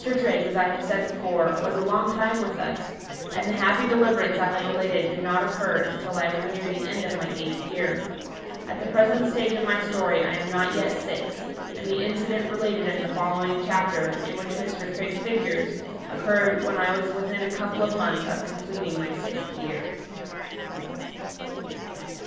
Trigg, as I have said before, was a long time with us, and the happy deliverance I have related did not occur until I was near the end of my eighth year. At the present stage of my story I am not yet six, and the incident related in the following chapter, in which Mr. Trigg figures, occurred when I was within a couple of months of completing my sixth year.